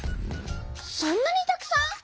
そんなにたくさん！